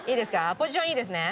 ポジションいいですね？